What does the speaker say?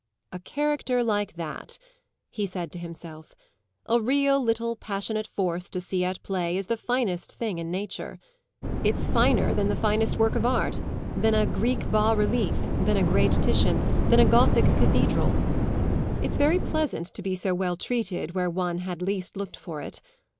"A character like that," he said to himself "a real little passionate force to see at play is the finest thing in nature. It's finer than the finest work of art than a Greek bas relief, than a great Titian, than a Gothic cathedral. It's very pleasant to be so well treated where one had least looked for it.